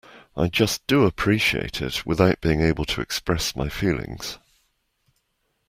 I just do appreciate it without being able to express my feelings.